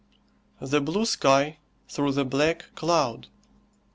THE BLUE SKY THROUGH THE BLACK CLOUD.